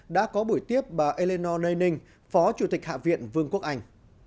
đã có buổi tiếp bà eleanor leining phó chủ tịch hạ viện vương quốc anh